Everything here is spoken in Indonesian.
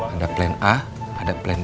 ada plan a ada plan b